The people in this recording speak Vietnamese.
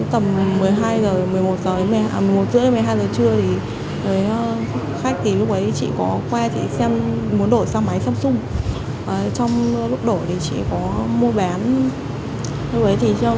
trong tầm một mươi một h một mươi hai h trưa khách có quay xem muốn đổi sang máy samsung